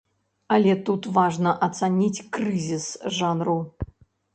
Але тут важна ацаніць крызіс жанру.